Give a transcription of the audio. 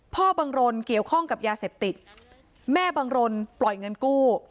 บังรนเกี่ยวข้องกับยาเสพติดแม่บังรนปล่อยเงินกู้